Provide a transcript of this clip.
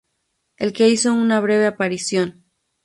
En el que hizo una breve aparición.